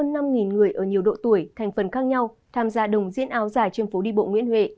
hơn năm người ở nhiều độ tuổi thành phần khác nhau tham gia đồng diễn áo dài trên phố đi bộ nguyễn huệ